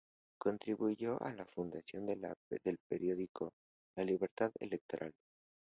Contribuyó a la fundación del periódico, "La Libertad Electoral".